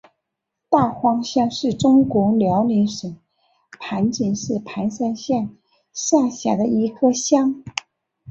大荒乡是中国辽宁省盘锦市盘山县下辖的一个乡。